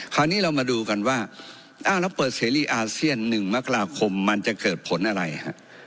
คราวนี้เรามาดูกันว่าอ้าวแล้วเปิดเสรีอาเซียน๑มกราคมมันจะเกิดผลอะไรฮะ